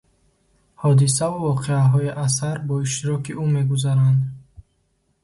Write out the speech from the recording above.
Ҳодисаву воқеаҳои асар бо иштироки ӯ мегузаранд.